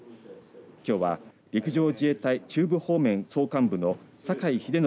きょうは陸上自衛隊中部方面総監部の酒井秀典